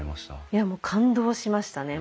いやもう感動しましたね。